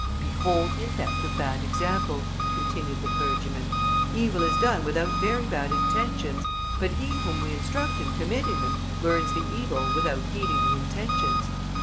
"Behold the effect of bad example!" continued the clergyman; "evil is done without very bad intentions, but he whom we instruct in committing it, learns the evil without heeding the intentions.